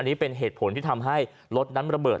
ที่เป็นเหตุผลที่ทำให้รถน้ำระเบิด